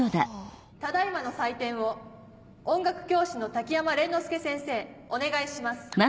ただ今の採点を音楽教師の滝山連之助先生お願いします。